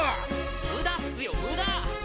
無駄っすよ無駄！